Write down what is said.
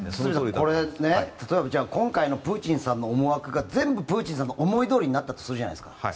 これ、例えば今回のプーチンさんの思惑が全部、プーチンさんの思いどおりになったとするじゃないですか